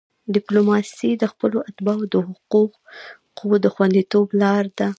ډیپلوماسي د خپلو اتباعو د حقوقو د خوندیتوب لار ده.